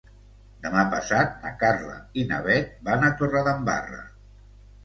Demà passat na Carla i na Bet van a Torredembarra.